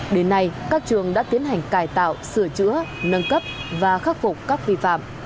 đến nay các trường đã tiến hành cải tạo sửa chữa nâng cấp và khắc phục các vi phạm